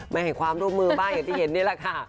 ไม่ให้ความร่วมมือบ้างอย่างที่เห็นนี่แหละค่ะ